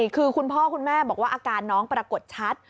คือคุณพ่อคุณแม่บอกว่าอาการน้องปรากฏชัด